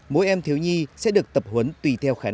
mỗi em thiếu nhi sẽ được tập huấn tùy theo khả năng